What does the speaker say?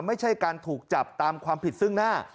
ไม่ใช่การถูกจับตามความผิดซึ่งหน้า